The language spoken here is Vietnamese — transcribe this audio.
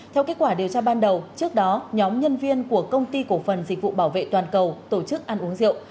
theo kết quả điều tra ban đầu trước đó nhóm nhân viên của công ty cổ phần dịch vụ bảo vệ toàn cầu tổ chức ăn uống rượu